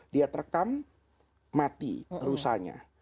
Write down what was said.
dia terekam mati rusaknya